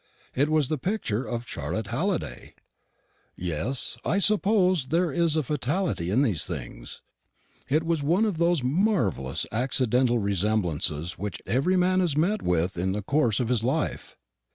It was the picture of Charlotte Halliday. Yes; I suppose there is a fatality in these things. It was one of those marvellous accidental resemblances which every man has met with in the course of his life.